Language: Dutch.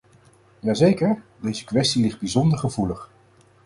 Jazeker, deze kwestie ligt bijzonder gevoelig.